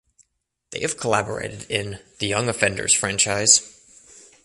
They have collaborated in "The Young Offenders" franchise.